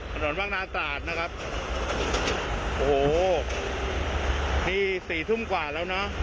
ขนวนบางนาตราดนะครับโอ้โหมี๔ทุ่มกว่าแล้วเนอะ